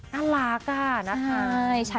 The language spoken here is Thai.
น่ารักอะนะคะ